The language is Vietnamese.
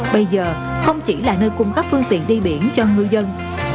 bây giờ không chỉ là nơi cung cấp phương tiện đi biển cho ngư dân